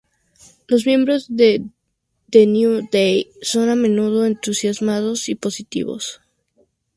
Los miembros de The New Day son a menudo entusiasmados y positivos.